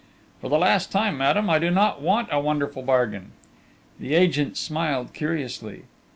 "For the last time, madame, I do not want a wonderful bargain!" The agent smiled curiously.